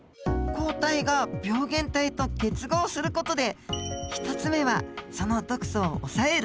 抗体が病原体と結合する事で１つ目はその毒素を抑える。